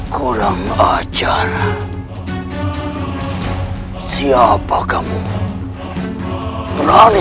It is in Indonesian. kenapa bisa bekerja sepenuhnya